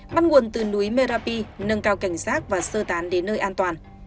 bắt nguồn từ núi merapi nâng cao cảnh sát và sơ tán đến nơi an toàn